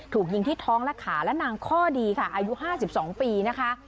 ถูกยิงที่ท้องและขาและนางข้อดีค่ะอายุ๕๒ปีนะคะ